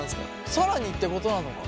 更にってことなのかな。